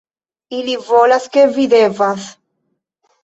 - Ili volas ke vi devas -